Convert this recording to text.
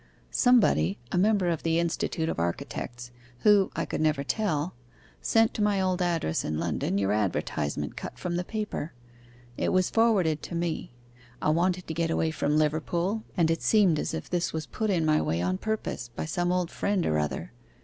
Somebody, a member of the Institute of Architects who, I could never tell sent to my old address in London your advertisement cut from the paper; it was forwarded to me; I wanted to get away from Liverpool, and it seemed as if this was put in my way on purpose, by some old friend or other.